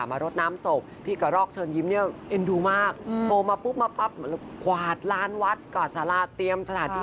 มารดน้ำศพพี่กระรอกเชิญยิ้มเนี่ย